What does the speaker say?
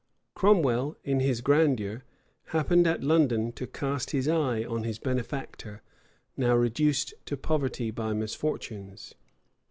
Cromwell, in his grandeur, happened at London to cast his eye on his benefactor, now reduced to poverty by misfortunes.